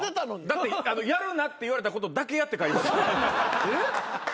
だってやるなって言われたことだけやって。